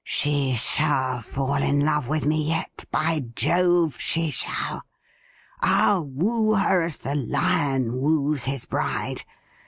' She shall fall in love with me yet — ^by Jove ! she shall. I'll woo her as the lion wooes his bride.